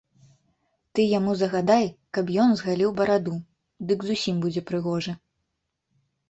Ты яму загадай, каб ён згаліў бараду, дык зусім будзе прыгожы.